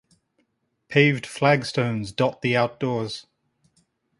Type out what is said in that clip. Paved flagstones dot the outdoors.